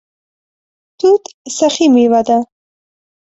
توت سخي میوه ده